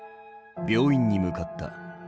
病院に向かった。